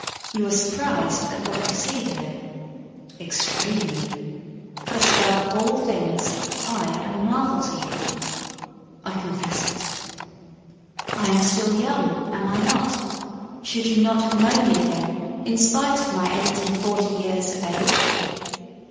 You are surprised at what you see here?" "Extremely." "But above all things, I am a marvel to you?" "I confess it." "I am still young, am I not? Should you not have known me again, in spite of my eight and forty years of age?"